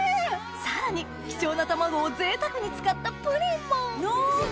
さらに貴重な卵をぜいたくに使ったプリンも濃厚！